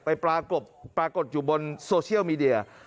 ไปปรากฎอยู่บนโซเชียลมีเดีย